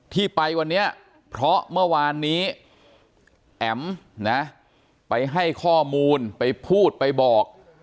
ที่ไปวันนี้เพราะเมื่อวานนี้แอ๋มนะไปให้ข้อมูลไปพูดไปบอก